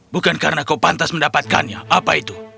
bukan karena kau pantas mendapatkannya apa itu